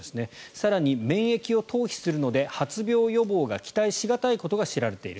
更に、免疫を逃避するので発病予防が期待し難いことが知られている。